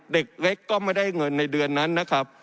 เด็กเล็กก็ไม่ได้เงินในเดือนนั้นนะครับ